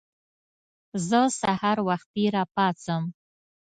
زه سهار وختي راپاڅم.